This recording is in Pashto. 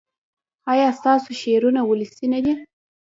ایا ستاسو شعرونه ولسي نه دي؟